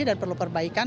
dan perlu perbaikan